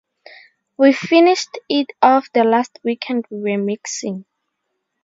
We finished it off the last weekend we were mixing.